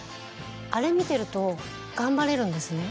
あれ見てると頑張れるんですね。